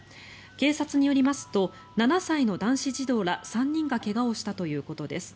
警察によりますと７歳の男子児童ら３人が怪我をしたということです。